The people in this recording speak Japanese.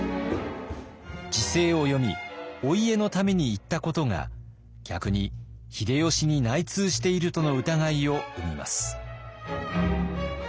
時勢を読みお家のために言ったことが逆に秀吉に内通しているとの疑いを生みます。